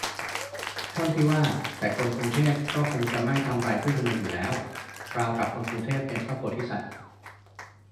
ท่อนที่ว่า "แต่คนกรุงเทพก็คงจะไม่ทำไรผู้ชุมนุมอยู่แล้ว" ราวกับคนกรุงเทพเป็นพระโพธิสัตว์